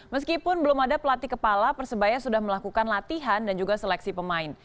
meskipun belum ada pelatih kepala persebaya sudah melakukan latihan dan juga seleksi pemain